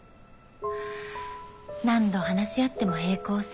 何度話し合っても平行線。